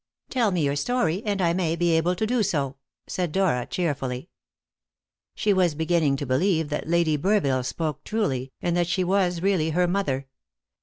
"Tell me your story, and I may be able to do so," said Dora cheerfully. She was beginning to believe that Lady Burville spoke truly, and that she was really her mother.